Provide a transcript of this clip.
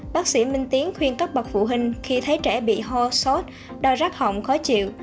bác sĩ minh tiến khuyên các bậc phụ huynh khi thấy trẻ bị ho sốt đau rắc hỏng khó chịu